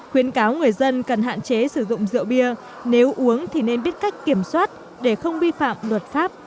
khuyến cáo người dân cần hạn chế sử dụng rượu bia nếu uống thì nên biết cách kiểm soát để không vi phạm luật pháp